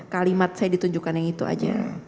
kalimat saya ditunjukkan yang itu aja